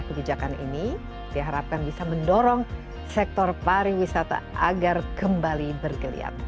kebijakan ini diharapkan bisa mendorong sektor pariwisata agar kembali bergeliat